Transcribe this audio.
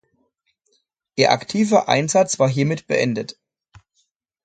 Ihr aktiver Einsatz war hiermit beendet.